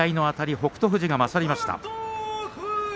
北勝富士のほうが勝りました。